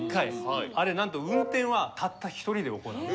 あれなんと運転はたった１人で行う。